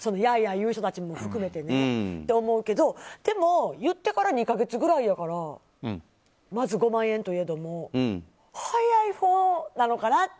言う人たちも含めてって思うけど、でも言ってから２か月くらいやからまず５万円といえども早いほうなのかなって